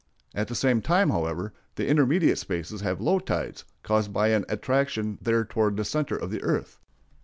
At the same time, however, the intermediate spaces have low tides caused by an attraction there toward the center of the earth.